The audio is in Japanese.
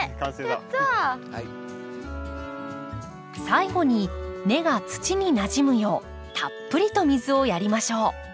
最後に根が土になじむようたっぷりと水をやりましょう。